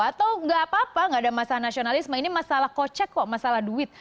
atau nggak apa apa nggak ada masalah nasionalisme ini masalah kocek kok masalah duit